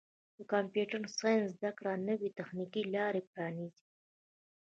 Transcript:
د کمپیوټر ساینس زدهکړه نوې تخنیکي لارې پرانیزي.